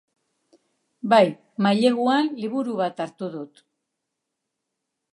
Bai, maileguan, liburu bat hartu dut.